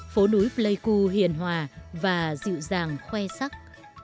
phố núi pleiku hiền hòa và dịu dàng khoe sắc